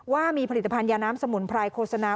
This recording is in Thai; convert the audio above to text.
ว่ามีผลิตภัณยาน้ำสมุนไพรโฆษณา